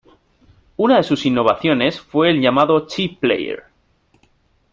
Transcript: Una de sus innovaciones fue el llamado Chip Player.